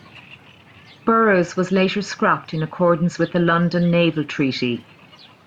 "Burrows" was later scrapped in accordance with the London Naval Treaty.